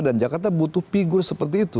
dan jakarta butuh figur seperti itu